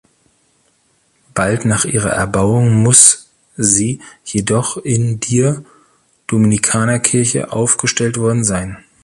Bald nach ihrer Erbauung muss sie jedoch in dir Dominikanerkirche aufgestellt worden sein.